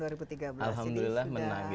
alhamdulillah menang gitu